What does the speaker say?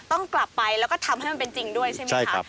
ต้องกลับไปแล้วก็ทำให้มันเป็นจริงด้วยใช่ไหมคะ